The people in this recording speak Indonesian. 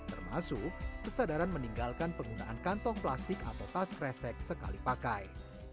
termasuk kesadaran meninggalkan penggunaan kantong plastik atau tas kresek sekali pakai